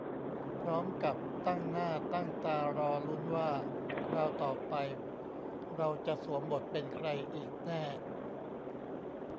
พร้อมกับตั้งหน้าตั้งตารอลุ้นว่าคราวต่อไปเราจะสวมบทเป็นใครอีกแน่